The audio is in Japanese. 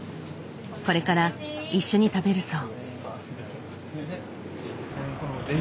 これから一緒に食べるそう。